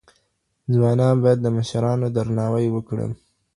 ځوانان باید د مشرانو درناوی وکړي